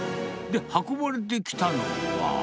で、運ばれてきたのは。